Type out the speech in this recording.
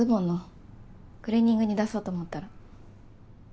クリーニングに出そうと思ったら。